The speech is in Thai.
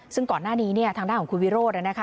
ซึ่งก่อนหน้านี้ทางด้านของคุณวิโรธ